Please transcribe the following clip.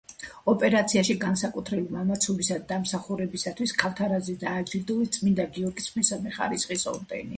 ოპერაციაში განსაკუთრებული მამაცობისა და დამსახურებისათვის ქავთარაძე დააჯილდოვეს წმინდა გიორგის მესამე ხარისხის ორდენით.